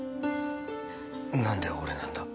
何で俺なんだ